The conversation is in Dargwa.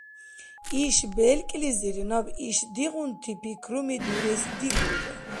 Иш белкӀлизир наб ишдигъунти пикруми дурес дигулра.